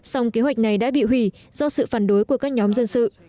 song kế hoạch này đã bị hủy do sự phản đối của các nhóm dân sự